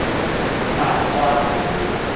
萬華區